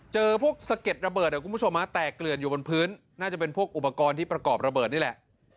เจอพวกสะเก็ดระเบิดคุณผู้ชมแตกเกลื่อนอยู่บนพื้นน่าจะเป็นพวกอุปกรณ์ที่ประกอบระเบิดนี่แหละ